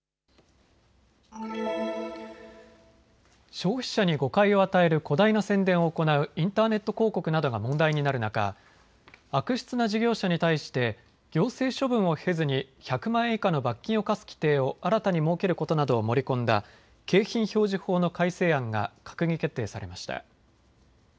消費者に誤解を与える誇大な宣伝を行うインターネット広告などが問題になる中、悪質な事業者に対して行政処分を経ずに１００万円以下の罰金を科す規定を新たに設けることなどを盛り込んだ景品表示法の改正案が閣議決定されました。